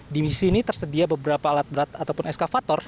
di misi ini tersedia beberapa alat berat ataupun eskavator